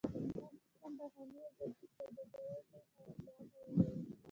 دا سیستم بهرنۍ ازادې سوداګرۍ ته لار هواروي.